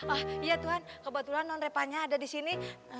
ah iya tuhan kebetulan nonreva nya ada disini